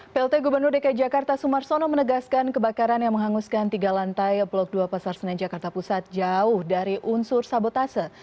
plt gubernur dki jakarta sumarsono menegaskan kebakaran yang menghanguskan tiga lantai blok dua pasar senen jakarta pusat jauh dari unsur sabotase